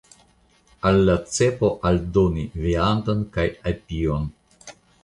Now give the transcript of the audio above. Al la cepo aldoni viandon kaj apion.